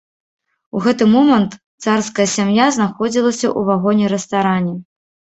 У гэты момант царская сям'я знаходзілася ў вагоне-рэстаране.